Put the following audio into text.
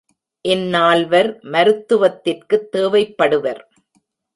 இந் நால்வர் மருத்துவத்திற்குத் தேவைப்படுவர்.